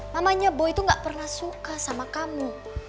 mamanya boy itu gak pernah suka sama kamu